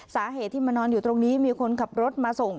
สาเหตุที่มานอนอยู่ตรงนี้มีคนขับรถมาส่ง